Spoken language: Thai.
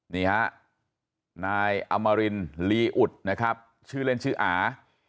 นี่ฮะนายอมรินลีอุดนะครับชื่อเล่นชื่ออา